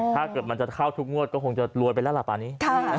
ถ้าเกิดมันจะเข้าทุกงวดก็คงจะรวยไปแล้วล่ะตอนนี้